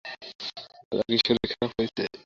দাদার শরীর কি আরো খারাপ হয়েছে?